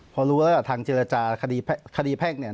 พอรู้แล้วทางจิรจาคดีแพร่งเนี่ย